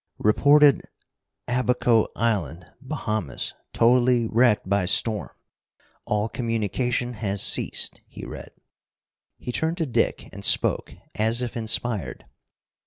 "Reported Abaco Island, Bahamas, totally wrecked by storm. All communication has ceased," he read. He turned to Dick and spoke as if inspired.